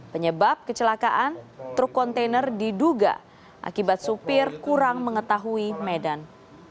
penyebab kecelakaan truk kontainer diduga akibat supir kurang mengetahui medan